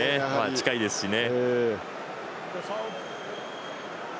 近いですしね。